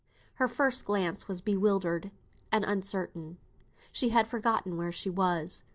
Her first glance was bewildered and uncertain. She had forgotten where she was.